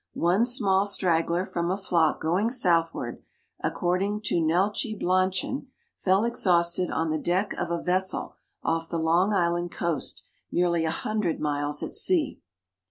One small straggler from a flock going southward, according to Neltje Blanchan, fell exhausted on the deck of a vessel off the Long Island coast nearly a hundred miles at sea.